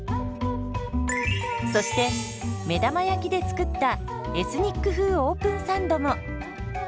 そして目玉焼きで作ったエスニック風オープンサンドも。